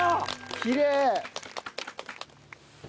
きれい！